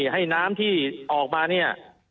ให้น้ำที่ออกมาเนี่ย